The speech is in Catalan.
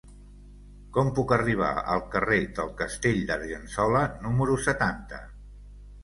Com puc arribar al carrer del Castell d'Argençola número setanta?